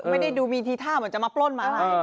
ไม่ได้ดูมีทีท่าเหมือนจะมาปล้นมาอะไร